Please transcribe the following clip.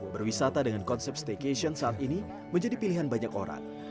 berwisata dengan konsep staycation saat ini menjadi pilihan banyak orang